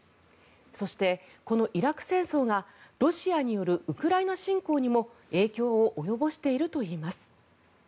そして、このイラク戦争がロシアによるウクライナ侵攻にも影響を及ぼしているといいます。